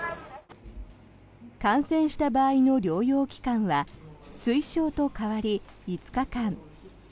感染した場合の療養期間は推奨と変わり５日間。